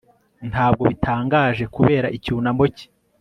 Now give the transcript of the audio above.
Ntabwo bitangaje kubera icyunamo cye